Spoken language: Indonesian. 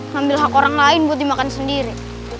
ngambil hak orang lain buat dimakan sendiri